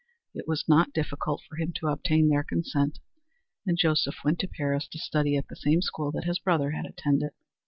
It was not difficult for him to obtain their consent and Joseph went to Paris to study at the same school that his brother had attended.